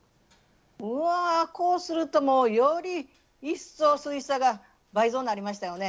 うわこうするとより一層涼しさが倍増になりましたよね。